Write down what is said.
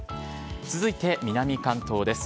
続いて南関東です。